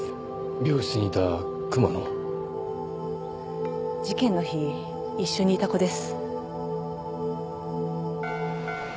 病室にいた熊の事件の日一緒にいた子です